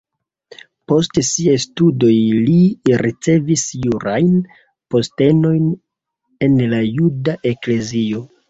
Post siaj studoj li ricevis jurajn postenojn en la juda eklezio.